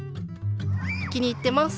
気に入ってます。